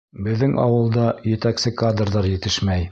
Беҙҙең ауылда етәксе кадрҙар етешмәй.